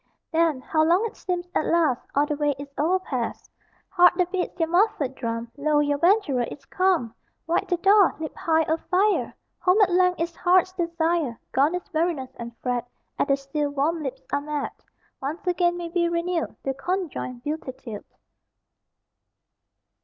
Then (how long it seems) at last All the way is overpast. Heart that beats your muffled drum, Lo, your venturer is come! Wide the door! Leap high, O fire! Home at length is heart's desire! Gone is weariness and fret, At the sill warm lips are met. Once again may be renewed The conjoined beatitude.